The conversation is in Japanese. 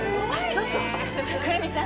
ちょっと胡桃ちゃん